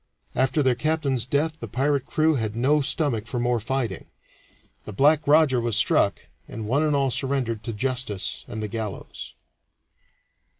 After their captain's death the pirate crew had no stomach for more fighting; the "Black Roger" was struck, and one and all surrendered to justice and the gallows.